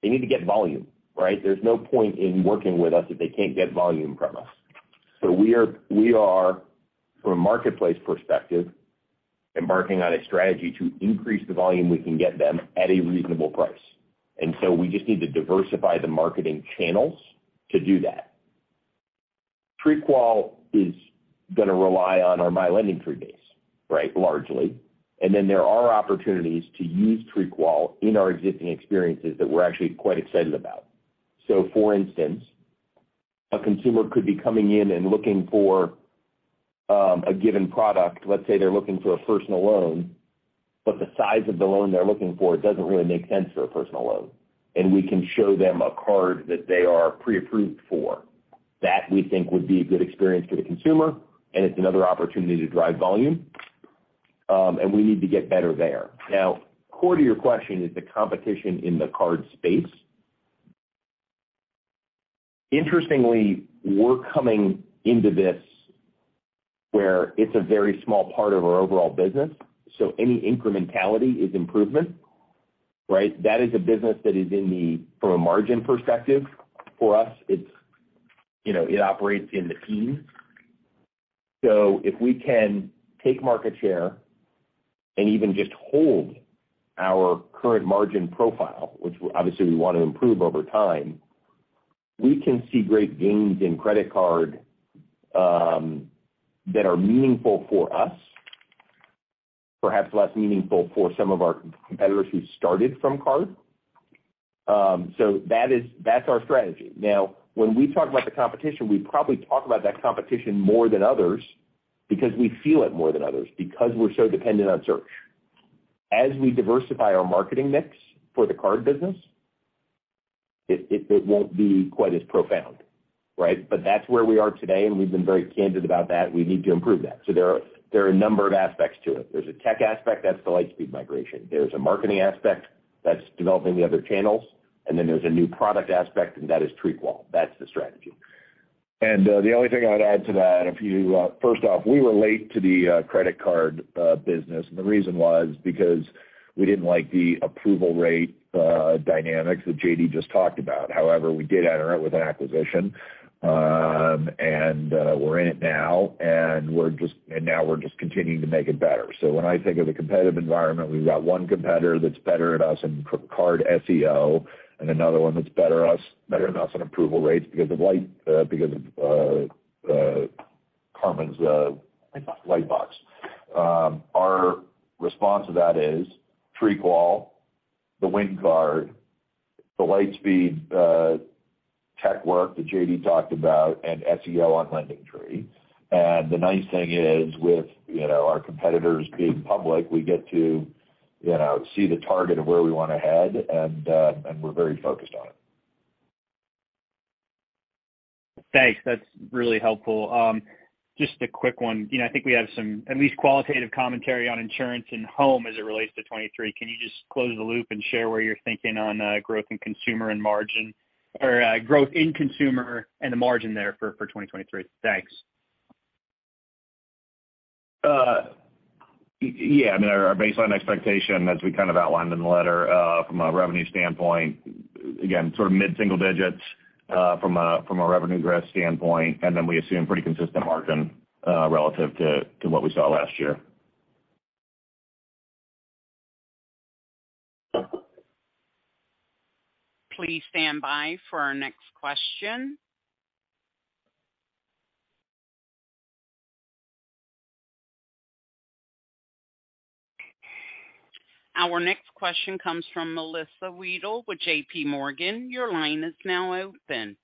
they need to get volume, right? There's no point in working with us if they can't get volume from us. We are, we are from a marketplace perspective, embarking on a strategy to increase the volume we can get them at a reasonable price. We just need to diversify the marketing channels to do that. Prequal is gonna rely on our My LendingTree base, right, largely. Then there are opportunities to use Prequal in our existing experiences that we're actually quite excited about. For instance, a consumer could be coming in and looking for, a given product. Let's say they're looking for a personal loan, but the size of the loan they're looking for doesn't really make sense for a personal loan. We can show them a card that they are pre-approved for. That we think would be a good experience for the consumer, and it's another opportunity to drive volume. We need to get better there. Now, core to your question is the competition in the card space. Interestingly, we're coming into this where it's a very small part of our overall business, so any incrementality is improvement, right? That is a business. From a margin perspective for us, it's, you know, it operates in the teens. So if we can take market share and even just hold our current margin profile, which obviously we want to improve over time, we can see great gains in credit card that are meaningful for us, perhaps less meaningful for some of our competitors who started from card. That's our strategy. When we talk about the competition, we probably talk about that competition more than others because we feel it more than others because we're so dependent on search. As we diversify our marketing mix for the card business, it won't be quite as profound, right? That's where we are today, and we've been very candid about that. We need to improve that. There are a number of aspects to it. There's a tech aspect, that's the Lightspeed migration. There's a marketing aspect, that's developing the other channels. There's a new product aspect, and that is Prequal. That's the strategy. The only thing I'd add to that, if you... First off, we relate to the credit card business, and the reason was because we didn't like the approval rate dynamics that J.D. just talked about. However, we did enter it with an acquisition. We're in it now, and now we're just continuing to make it better. When I think of the competitive environment, we've got one competitor that's better than us in c-card SEO and another one that's better than us on approval rates because of Lightbox, because of Credit Karma's. Lightbox. Lightbox. Our response to that is Prequal, the Win Card, the Lightspeed, tech work that J.D. talked about, and SEO on LendingTree. The nice thing is, with, you know, our competitors being public, we get to, you know, see the target of where we wanna head and we're very focused on it. Thanks. That's really helpful. Just a quick one. You know, I think we have some, at least qualitative commentary on insurance and home as it relates to 2023. Can you just close the loop and share where you're thinking on growth in consumer and margin or growth in consumer and the margin there for 2023? Thanks. Yeah, I mean, our baseline expectation as we kind of outlined in the letter, from a revenue standpoint, again, sort of mid-single digits, from a revenue growth standpoint, and then we assume pretty consistent margin relative to what we saw last year. Please stand by for our next question. Our next question comes from Melissa Wedel with JPMorgan. Your line is now open.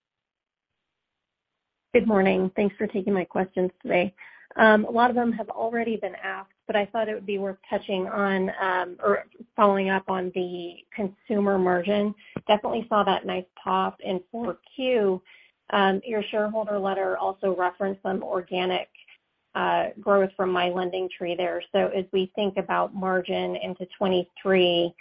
Good morning. Thanks for taking my questions today. A lot of them have already been asked, but I thought it would be worth touching on or following up on the consumer margin. Definitely saw that nice pop in four Q. Your shareholder letter also referenced some organic growth from My LendingTree there. As we think about margin into 2023,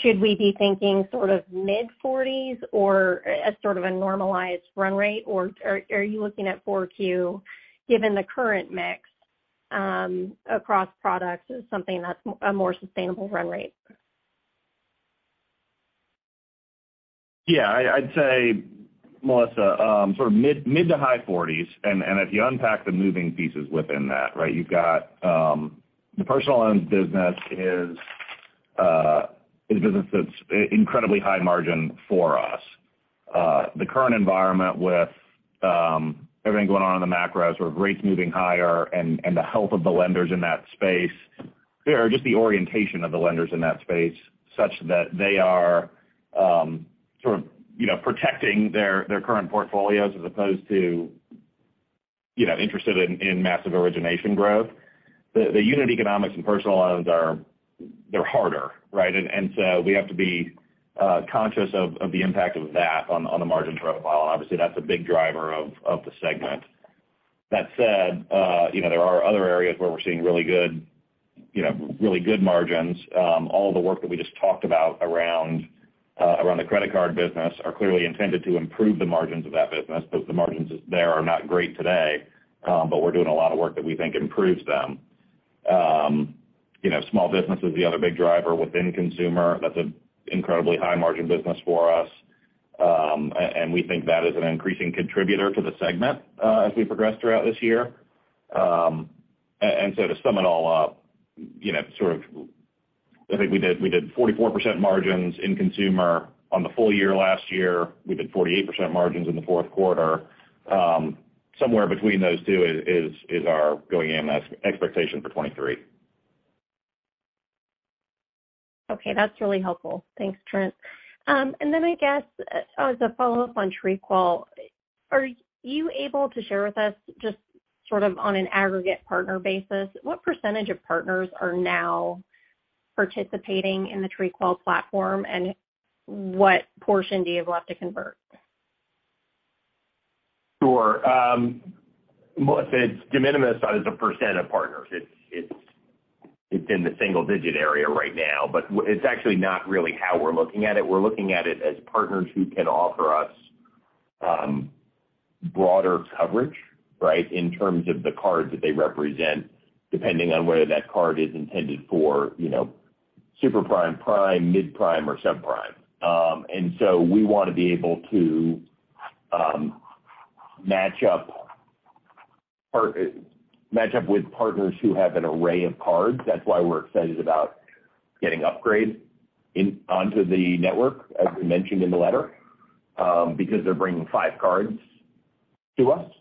should we be thinking sort of mid-40s or as sort of a normalized run rate? Are you looking at four Q, given the current mix across products as something that's a more sustainable run rate? Yeah, I'd say, Melissa, sort of Mid-To-High 40s%. If you unpack the moving pieces within that, right? You've got the personal loans business is a business that's incredibly high margin for us. The current environment with everything going on in the macros, with rates moving higher and the health of the lenders in that space, they are just the orientation of the lenders in that space such that they are, sort of, you know, protecting their current portfolios as opposed to, you know, interested in massive origination growth. The unit economics and personal loans are they're harder, right? So we have to be conscious of the impact of that on the margin profile. Obviously that's a big driver of the segment. That said, you know, there are other areas where we're seeing really good, you know, really good margins. All the work that we just talked about around the credit card business are clearly intended to improve the margins of that business because the margins there are not great today. We're doing a lot of work that we think improves them. You know, small business is the other big driver within consumer. That's an incredibly high margin business for us. We think that is an increasing contributor to the segment as we progress throughout this year. To sum it all up, you know, sort of I think we did 44% margins in consumer on the full year last year. We did 48% margins in the fourth 1/4. Somewhere between those 2 is our going AM expectation for 2023. Okay. That's really helpful. Thanks, Trent. I guess as a follow-up on TreeQual, are you able to share with us just sort of on an aggregate partner basis, what % of partners are now participating in the TreeQual platform, and what portion do you have left to convert? Sure. Melissa, it's de minimis on is the % of partners. It's in the Single-Digit area right now, but it's actually not really how we're looking at it. We're looking at it as partners who can offer us broader coverage, right, in terms of the cards that they represent, depending on whether that card is intended for, you know, super prime, mid prime, or subprime. We want to be able to match up with partners who have an array of cards. That's why we're excited about getting Upgrade onto the network, as we mentioned in the letter, because they're bringing 5 cards to us.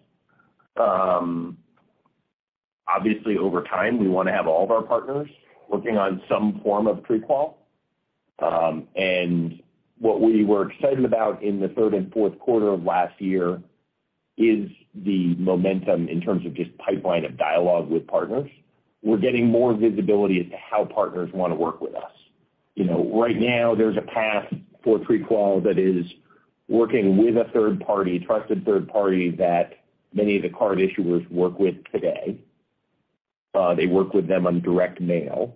Obviously, over time, we want to have all of our partners working on some form of TreeQual. What we were excited about in the 1/3 and fourth 1/4 of last year is the momentum in terms of just pipeline of dialogue with partners. We're getting more visibility as to how partners want to work with us. You know, right now there's a path for TreeQual that is working with a 1/3 party, trusted 1/3 party that many of the card issuers work with today. They work with them on direct mail.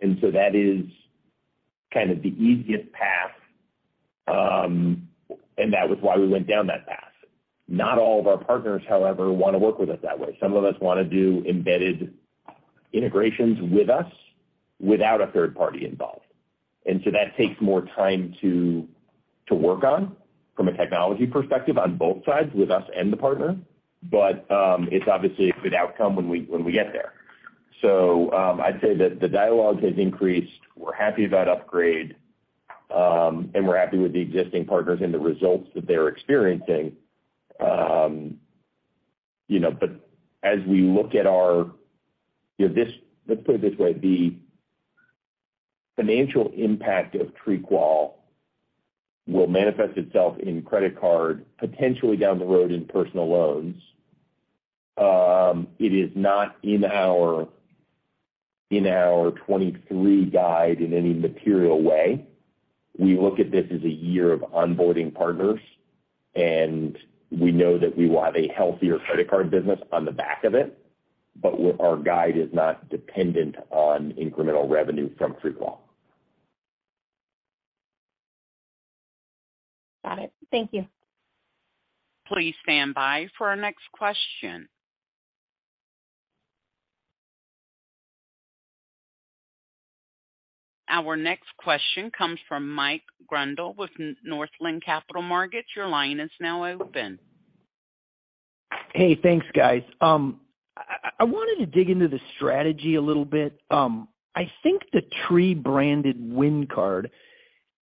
That is kind of the easiest path, and that was why we went down that path. Not all of our partners, however, want to work with us that way. Some of us want to do embedded integrations with us without a 1/3 party involved. That takes more time to work on from a technology perspective on both sides with us and the partner. It's obviously a good outcome when we, when we get there. I'd say that the dialogue has increased. We're happy about Upgrade, and we're happy with the existing partners and the results that they're experiencing. You know, let's put it this way, the financial impact of TreeQual will manifest itself in credit card potentially down the road in personal loans. It is not in our 2023 guide in any material way. We look at this as a year of onboarding partners, and we know that we will have a healthier credit card business on the back of it, but our guide is not dependent on incremental revenue from TreeQual. Got it. Thank you. Please stand by for our next question. Our next question comes from Mike Grondahl with Northland Capital Markets. Your line is now open. Hey, thanks, guys. I wanted to dig into the strategy a little bit. I think the Tree-branded Win Card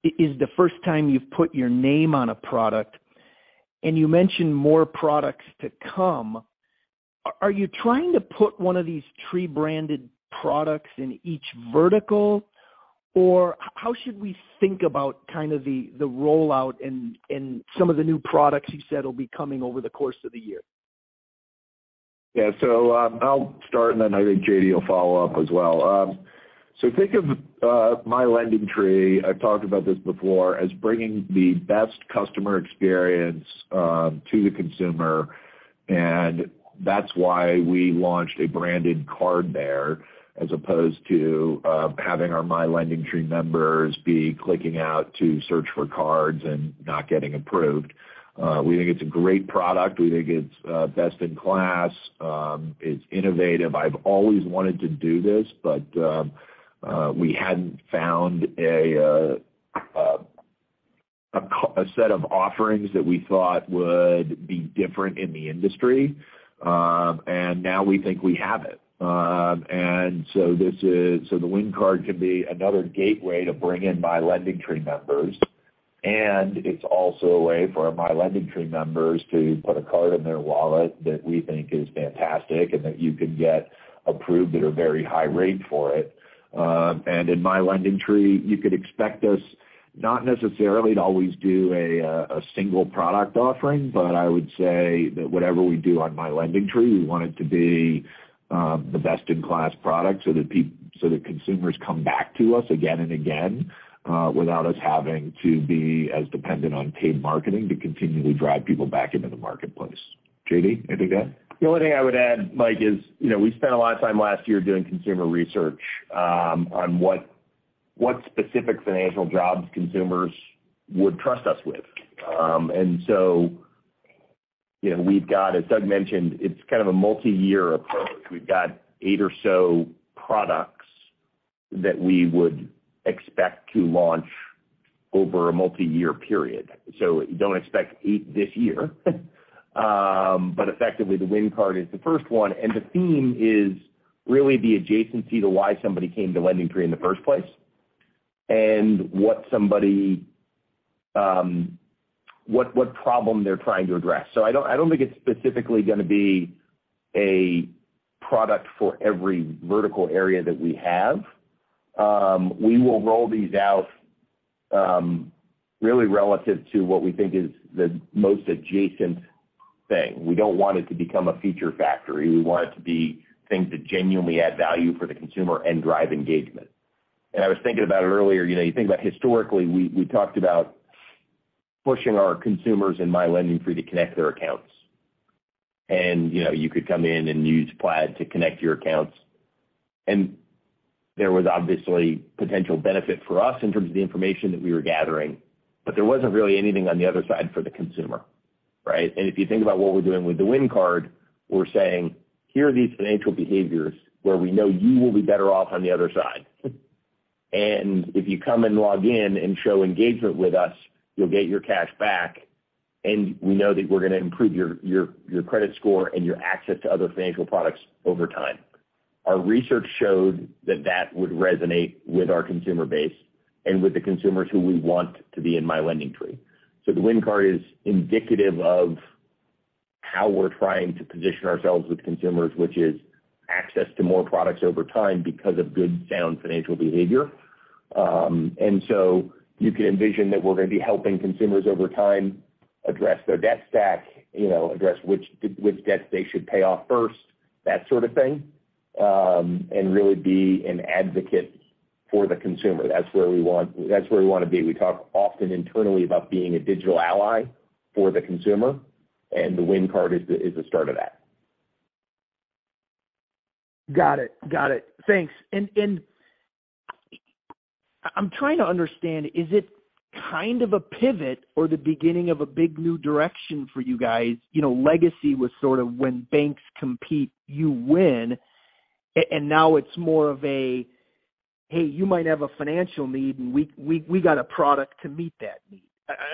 is the first time you've put your name on a product, and you mentioned more products to come. Are you trying to put one of these Tree-Branded products in each vertical, or how should we think about kind of the rollout and some of the new products you said will be coming over the course of the year? I'll start and then I think J.D. will follow up as well. Think of My LendingTree, I've talked about this before, as bringing the best customer experience to the consumer. That's why we launched a branded card there as opposed to having our My LendingTree members be clicking out to search for cards and not getting approved. We think it's a great product. We think it's best in class. It's innovative. I've always wanted to do this, but we hadn't found a set of offerings that we thought would be different in the industry, and now we think we have it. The Win Card can be another gateway to bring in My LendingTree members, and it's also a way for our My LendingTree members to put a card in their wallet that we think is fantastic and that you can get approved at a very high rate for it. In My LendingTree, you could expect us not necessarily to always do a single product offering, but I would say that whatever we do on My LendingTree, we want it to be the best-in-class product so that consumers come back to us again and again, without us having to be as dependent on paid marketing to continually drive people back into the marketplace. J.D., anything to add? The only thing I would add, Mike, is, you know, we spent a lot of time last year doing consumer research on what specific financial jobs consumers would trust us with. You know, we've got... As Doug mentioned, it's kind of a multiyear approach. We've got 8 or so products that we would expect to launch over a multiyear period. Don't expect 8 this year. Effectively, the Win Card is the first one, and the theme is really the adjacency to why somebody came to LendingTree in the first place and what somebody, what problem they're trying to address. I don't think it's specifically gonna be a product for every vertical area that we have. We will roll these out, really relative to what we think is the most adjacent thing. We don't want it to become a feature factory. We want it to be things that genuinely add value for the consumer and drive engagement. I was thinking about it earlier. You know, you think about historically, we talked about pushing our consumers in My LendingTree to connect their accounts. You know, you could come in and use Plaid to connect your accounts. There was obviously potential benefit for us in terms of the information that we were gathering, but there wasn't really anything on the other side for the consumer, right? If you think about what we're doing with the Win Card, we're saying, "Here are these financial behaviors where we know you will be better off on the other side. If you come and log in and show engagement with us, you'll get your cash back, and we know that we're gonna improve your credit score and your access to other financial products over time. Our research showed that that would resonate with our consumer base and with the consumers who we want to be in My LendingTree. The Win Card is indicative of how we're trying to position ourselves with consumers, which is access to more products over time because of good, sound financial behavior. You can envision that we're gonna be helping consumers over time address their debt stack, you know, address which debt they should pay off first, that sort of thing, and really be an advocate for the consumer. That's where we wanna be. We talk often internally about being a digital ally for the consumer, and the Win Card is the start of that. Got it. Got it. Thanks. I'm trying to understand, is it kind of a pivot or the beginning of a big new direction for you guys? You know, legacy was sort of when banks compete, you win. Now it's more of a, "Hey, you might have a financial need, and we got a product to meet that need."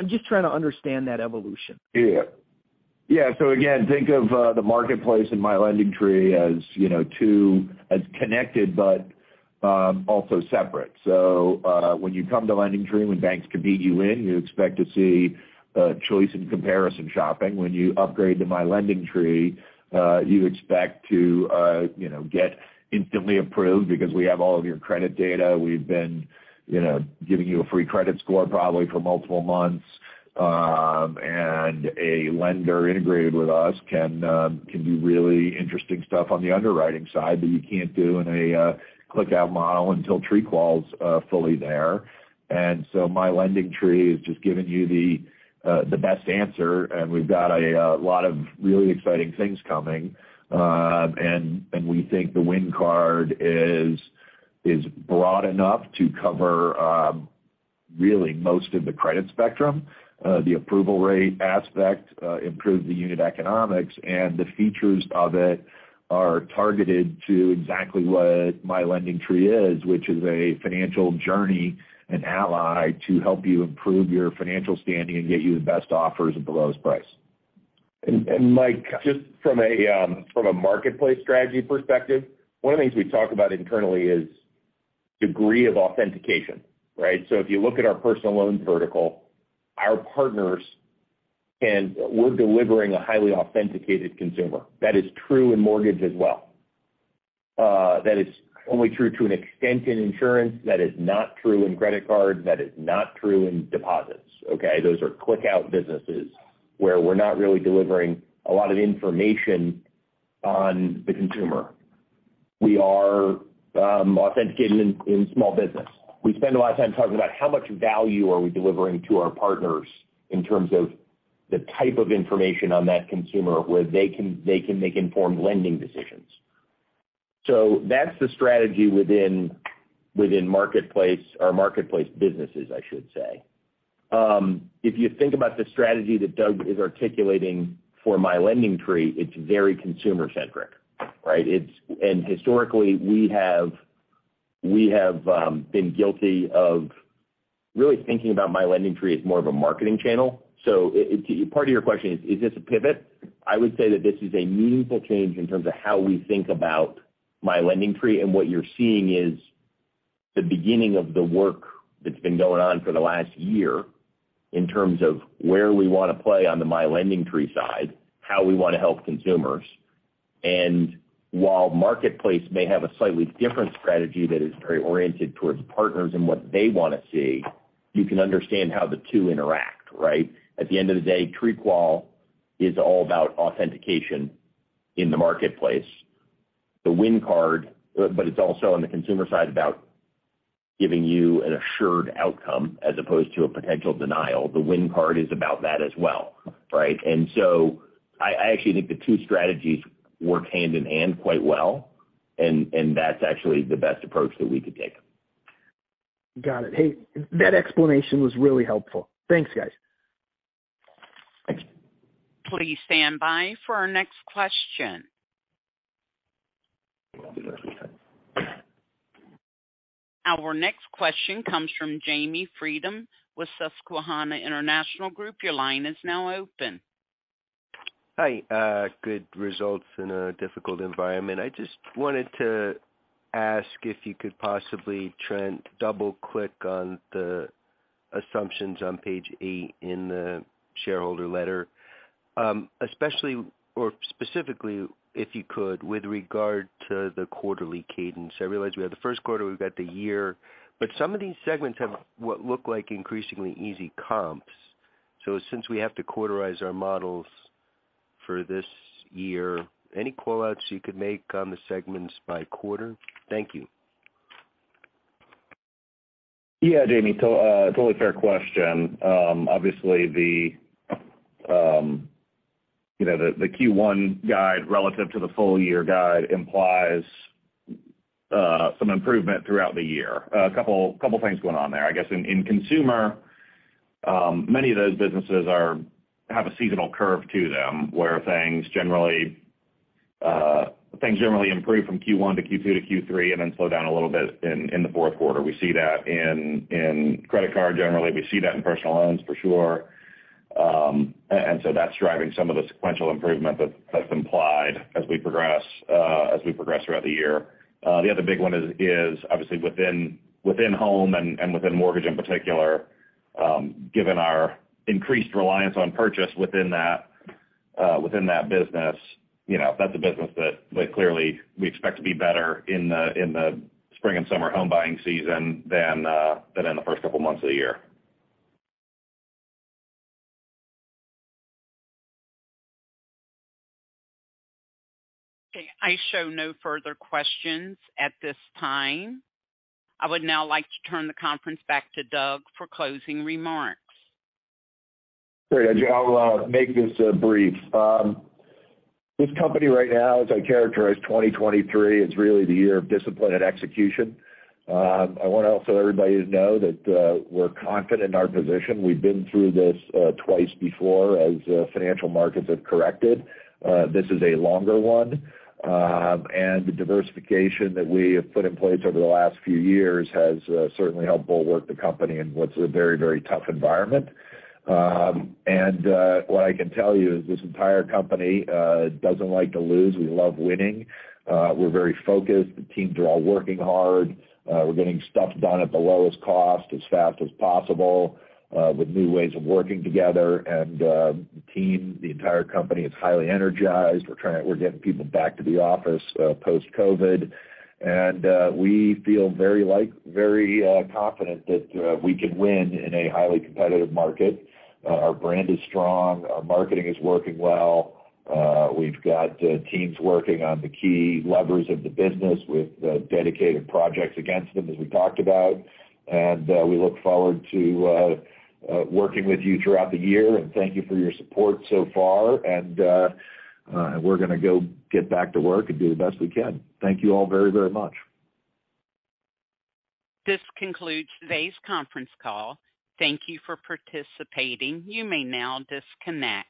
I'm just trying to understand that evolution. Yeah. Yeah. Again, think of the marketplace and My LendingTree as, you know, connected but also separate. When you come to LendingTree, when banks compete, you win, you expect to see choice and comparison shopping. When you upgrade to My LendingTree, you expect to, you know, get instantly approved because we have all of your credit data. We've been, you know, giving you a free credit score probably for multiple months. A lender integrated with us can do really interesting stuff on the underwriting side that you can't do in a click out model until TreeQual's fully there. My LendingTree is just giving you the best answer, and we've got a lot of really exciting things coming. We think the Win Card is broad enough to cover really most of the credit spectrum. The approval rate aspect, improve the unit economics and the features of it are targeted to exactly what My LendingTree is, which is a financial journey, an ally to help you improve your financial standing and get you the best offers at the lowest price. Mike, just from a marketplace strategy perspective, one of the things we talk about internally is degree of authentication, right? If you look at our personal loan vertical, our partners, we're delivering a highly authenticated consumer. That is true in mortgage as well. That is only true to an extent in insurance. That is not true in credit card. That is not true in deposits, okay? Those are click out businesses where we're not really delivering a lot of information on the consumer. We are authenticating in small business. We spend a lot of time talking about how much value are we delivering to our partners in terms of the type of information on that consumer where they can make informed lending decisions. That's the strategy within Marketplace or Marketplace businesses, I should say. If you think about the strategy that Doug is articulating for My LendingTree, it's very consumer-centric, right? Historically, we have been guilty of really thinking about My LendingTree as more of a marketing channel. Part of your question is this a pivot? I would say that this is a meaningful change in terms of how we think about My LendingTree. What you're seeing is the beginning of the work that's been going on for the last year in terms of where we wanna play on the My LendingTree side, how we wanna help consumers. While Marketplace may have a slightly different strategy that is very oriented towards partners and what they wanna see, you can understand how the 2 interact, right? At the end of the day, TreeQual is all about authentication in the marketplace. The Win Card, it's also on the consumer side, about giving you an assured outcome as opposed to a potential denial. The Win Card is about that as well, right? I actually think the 2 strategies work hand in hand quite well, and that's actually the best approach that we could take. Got it. Hey, that explanation was really helpful. Thanks, guys. Thanks. Please stand by for our next question. Our next question comes from Jamie Friedman with Susquehanna International Group. Your line is now open. Hi. Good results in a difficult environment. I just wanted to ask if you could possibly trend double-click on the assumptions on page eight in the shareholder letter, especially or specifically, if you could, with regard to the 1/4ly cadence. I realize we have the first 1/4, we've got the year, but some of these segments have what look like increasingly easy comps. Since we have to 1/4ize our models for this year, any call-outs you could make on the segments by 1/4? Thank you. Jamie, to totally fair question. Obviously the, you know, the Q1 guide relative to the full year guide implies some improvement throughout the year. A couple things going on there. I guess in consumer, many of those businesses have a seasonal curve to them, where things generally improve from Q1 to Q2 to Q3, and then slow down a little bit in the fourth 1/4. We see that in credit card generally. We see that in personal loans for sure. So that's driving some of the sequential improvement that's implied as we progress throughout the year. The other big one is obviously within home and within mortgage in particular, given our increased reliance on purchase within that business. You know, that's a business that clearly we expect to be better in the spring and summer home buying season than in the first couple months of the year. Okay. I show no further questions at this time. I would now like to turn the conference back to Doug for closing remarks. Great. I'll make this brief. This company right now, as I characterize 2023, is really the year of discipline and execution. I want to also let everybody know that we're confident in our position. We've been through this twice before as financial markets have corrected. This is a longer one. The diversification that we have put in place over the last few years has certainly helped bulwark the company in what's a very, very tough environment. What I can tell you is this entire company doesn't like to lose. We love winning. We're very focused. The teams are all working hard. We're getting stuff done at the lowest cost as fast as possible with new ways of working together. The team, the entire company is highly energized. We're getting people back to the office, post-COVID. We feel very confident that we can win in a highly competitive market. Our brand is strong. Our marketing is working well. We've got teams working on the key levers of the business with dedicated projects against them, as we talked about. We look forward to working with you throughout the year. Thank you for your support so far. We're gonna go get back to work and do the best we can. Thank you all very, very much. This concludes today's conference call. Thank you for participating. You may now disconnect.